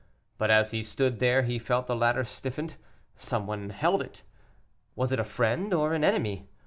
But as he stood there he felt the ladder stiffened; some one held it. Was it a friend or an enemy?